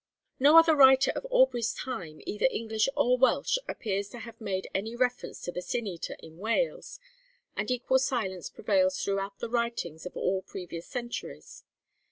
' No other writer of Aubrey's time, either English or Welsh, appears to have made any reference to the Sin eater in Wales; and equal silence prevails throughout the writings of all previous centuries.